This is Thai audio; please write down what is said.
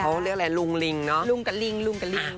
อ๋อเขาเรียกอะไรลุงลิงเนอะลุงกะลิง